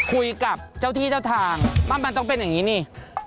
คุยกับเจ้าที่เจ้าทางมันต้องเป็นอย่างนี้นี่